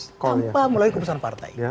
tanpa melalui keputusan partai